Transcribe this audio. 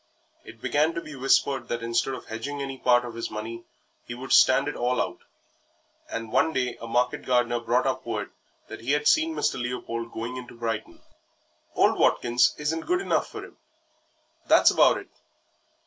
It began to be whispered that instead of hedging any part of his money he would stand it all out, and one day a market gardener brought up word that he had seen Mr. Leopold going into Brighton. "Old Watkins isn't good enough for him, that's about it.